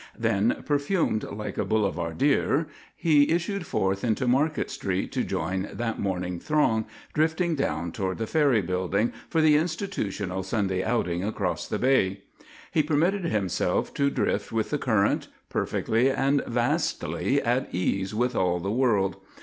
Then, perfumed like a boulevardier, he issued forth into Market Street to join that morning throng drifting down toward the ferry building for the institutional Sunday outing across the bay. He permitted himself to drift with the current, perfectly and vastly at ease with all the world.